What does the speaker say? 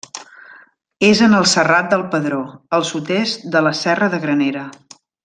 És en el Serrat del Pedró, al sud-est de la Serra de Granera.